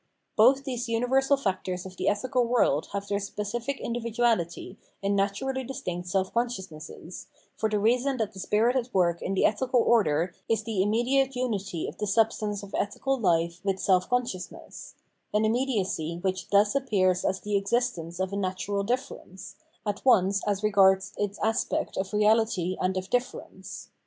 Both these universal factors of the ethical world have their specific individuahty in naturally distinct self consciousnesses, for the reason that the spirit at work in the ethical order is the im * Cp. Antigone^ 1. 910. 454 Phenomenology of Mind mediate unity of tLe substance [of ethical life] with self consciousness — an immediacy which thus appears as the existence of a natural difference, at once as regards its aspect of reality and of difference.